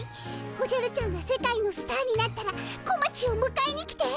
おじゃるちゃんが世界のスターになったらこまちをむかえに来て。